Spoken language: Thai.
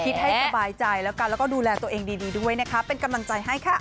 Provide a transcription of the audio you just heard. ให้สบายใจแล้วกันแล้วก็ดูแลตัวเองดีด้วยนะคะเป็นกำลังใจให้ค่ะ